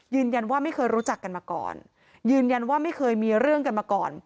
ไม่เคยรู้จักกันมาก่อนยืนยันว่าไม่เคยมีเรื่องกันมาก่อน